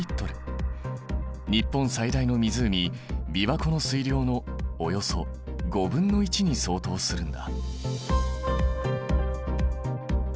日本最大の湖琵琶湖の水量のおよそ５分の１に相当するんだ。